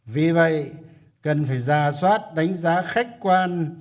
vì vậy cần phải ra soát đánh giá khách quan